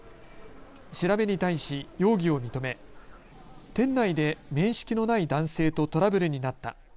調べに対し容疑を認め店内で面識のない男性とトラブルになった。